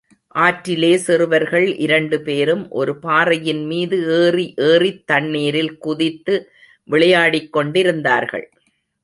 ஆற்றிலே சிறுவர்கள் இரண்டு பேரும் ஒரு பாறையின்மீது ஏறி ஏறித் தண்ணீரில் குதித்து விளையாடிக்கொண்டிருந்தார்கள்.